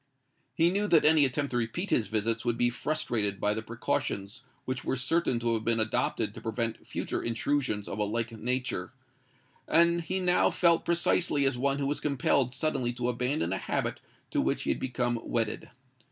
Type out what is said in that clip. He knew that any attempt to repeat his visits would be frustrated by the precautions which were certain to have been adopted to prevent future intrusions of a like nature; and he now felt precisely as one who is compelled suddenly to abandon a habit to which he had become wedded.